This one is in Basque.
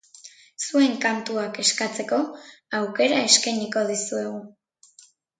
Zuen kantuak eskatzeko auerka eskainiko dizuegu.